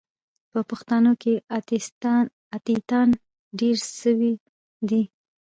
په پښتانو کې اتیستان ډیر سوې دي